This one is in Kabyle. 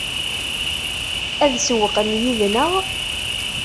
Ad sewwqen yid-neɣ?